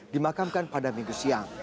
dimakamkan pada minggu siang